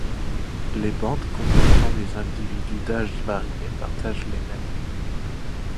Les bandes comportant des individus d'âge varié partagent les mêmes nids.